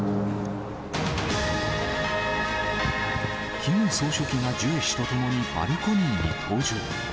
キム総書記がジュエ氏と共にバルコニーに登場。